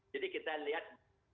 jadi kita lihat